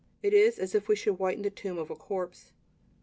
It is as if we should whiten the tomb of a corpse.